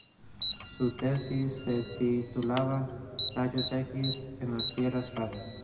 Su tesis se titulaba "Rayos X en las Tierras Raras.